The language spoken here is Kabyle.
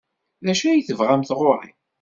D acu ay tebɣamt ɣer-i?